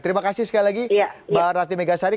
terima kasih sekali lagi mbak rati megasari